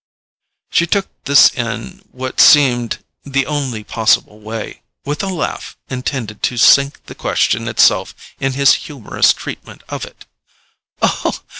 She took this in what seemed the only possible way, with a laugh intended to sink the question itself in his humorous treatment of it.